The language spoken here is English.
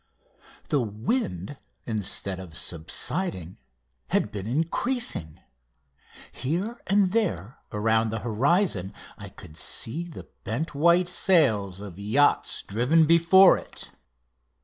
The wind instead of subsiding had been increasing. Here and there around the horizon I could see the bent white sails of yachts driven before it.